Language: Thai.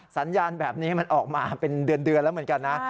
สัญญาณแบบนี้มันออกมาเป็นเดือนแล้วเหมือนกันนะ